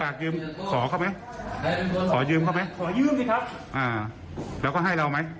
หาเข้ามาเข้ามาขอยืมเข้าแล้วก็ให้เราไหม